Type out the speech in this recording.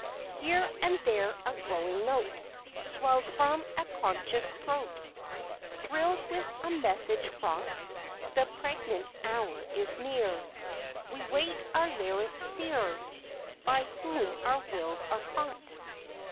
Here and there a growing note Swells from a conscious throat; Thrilled with a message fraught The pregnant hour is near; We wait our Lyric Seer, By whom our wills are caught.